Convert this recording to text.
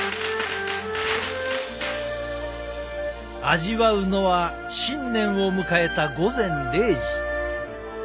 味わうのは新年を迎えた午前０時。